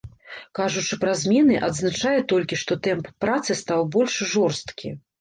Кажучы пра змены, адзначае толькі, што тэмп працы стаў больш жорсткі.